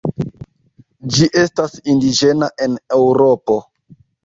Ĝi estas indiĝena en Eŭropo.